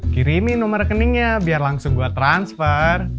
kirimin nomer rekeningnya biar langsung gue transfer